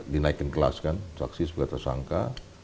dinaikin kelas kan saksi sebagai tersangka